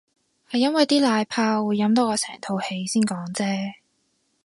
係因為啲奶泡會飲到我成肚氣先講啫